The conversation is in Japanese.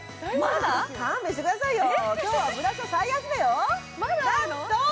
勘弁してくださいよ。